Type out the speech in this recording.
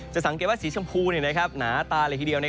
สังเกตว่าสีชมพูหนาตาเลยทีเดียว